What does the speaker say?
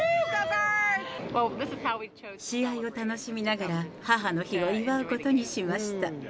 試合を楽しみながら、母の日を祝うことにしました。